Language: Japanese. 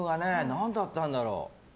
何だったんだろう。